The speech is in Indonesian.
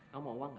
kamu mau uang gak